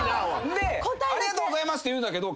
「ありがとうございます」って言うんだけど。